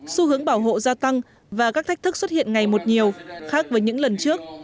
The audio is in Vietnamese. xu hướng bảo hộ gia tăng và các thách thức xuất hiện ngày một nhiều khác với những lần trước